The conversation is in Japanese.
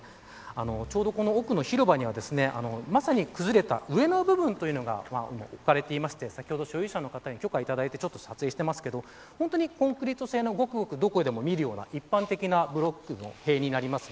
ちょうどこの奥の広場にはまさに崩れた上の部分というのが置かれていまして先ほど、所有者の方に許可をいただいて撮影していますけどコンクリート製のどこでも見るような一般的なブロック塀です。